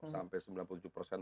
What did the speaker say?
sampai sembilan puluh tujuh persen